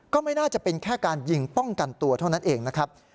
ก็ไม่น่าจะเป็นแค่การยิงป้องกันตัวเท่านั้นเองนะครับ